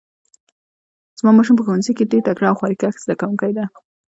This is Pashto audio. زما ماشوم په ښوونځي کې ډیر تکړه او خواریکښ زده کوونکی ده